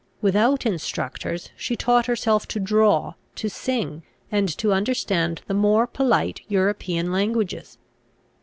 Without instructors, she taught herself to draw, to sing, and to understand the more polite European languages.